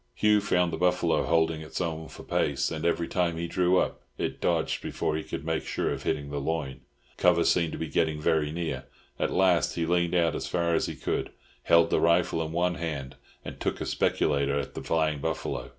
Hugh found the buffalo holding its own for pace, and every time he drew up it dodged before he could make sure of hitting the loin. Cover seemed to be getting very near. At last he leaned out as far as he could, held the rifle in one hand, and took a "speculator" at the flying buffalo.